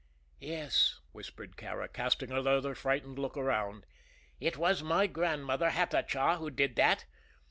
"Yes," whispered Kāra, casting another frightened look around; "it was my grandmother, Hatatcha, who did that.